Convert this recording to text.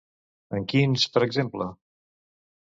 En quins, per exemple?